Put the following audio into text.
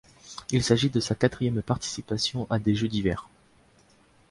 Il s'agit de sa quatrième participation à des Jeux d'hiver.